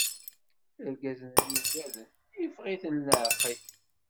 Irgazen-nni ugaden, iffeɣ- iten leɛqel.